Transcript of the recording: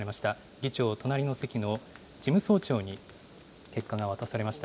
議長、隣の席の事務総長に結果が渡されました。